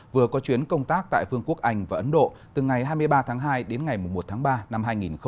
vừa có chuyến công tác tại vương quốc anh và ấn độ từ ngày hai mươi ba tháng hai đến ngày một tháng ba năm hai nghìn hai mươi